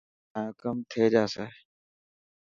تايو ڪم ٿي جاسي.